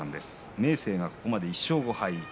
明生はここまで１勝５敗。